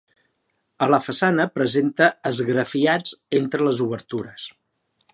A la façana presenta esgrafiats entre les obertures.